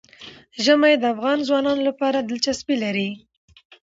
ژمی د افغان ځوانانو لپاره دلچسپي لري.